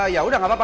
ya udah gak apa apa